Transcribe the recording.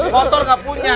motor gak punya